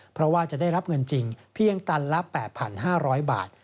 เพราะว่าจะได้รับเงินจริงเพียงตันละ๘๕๐๐บาท